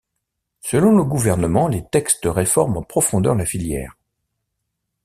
Selon le gouvernement, les textes réforment en profondeur la filière.